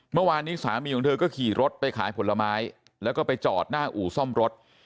เมื่อวานนี้สามีของเธอก็ขี่รถไปขายผลไม้แล้วก็ไปจอดหน้าอู่ซ่อมรถ